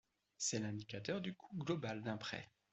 C'est l'indicateur du coût global d'un prêt.